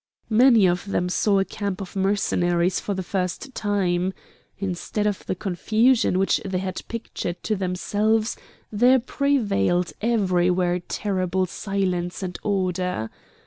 Many of them saw a camp of Mercenaries for the first time. Instead of the confusion which they had pictured to themselves, there prevailed everywhere terrible silence and order.